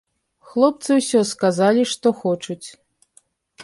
Хлопцы ўсе сказалі, што хочуць.